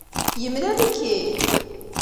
Yemlal-ik-id?